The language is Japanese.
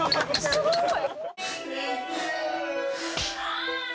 すごい！